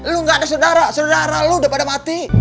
lu gak ada saudara saudara lo udah pada mati